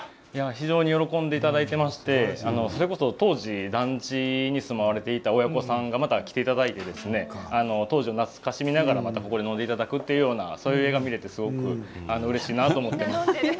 非常に喜んでいただきましてそれこそ当時、団地に住まわれていた親子さんがまた来ていただいて当時を懐かしみながらまたここで飲んでいただくというような絵も見られてうれしいなと思ってます。